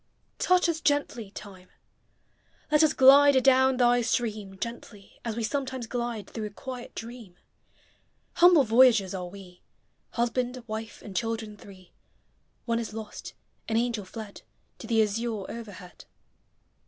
Touch us gently, Time! Let us glide adown thy stream Gently, — as we sometimes glide Through a quiet dream. Humble voyagers are We, Husband, wife, and children three — (One is lost, — an angel, fled To the azure overhead.)